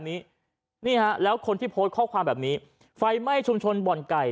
นี่ฮะแล้วคนที่โพสต์ข้อความแบบนี้ไฟไหม้ชุมชนบ่อนไก่